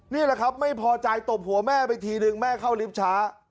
นี่แหละครับไม่พอใจตบหัวแม่ไปทีนึงแม่เข้าลิฟท์ช้า